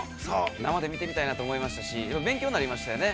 生で見てみたいなと思いましたし、勉強になりましたよね。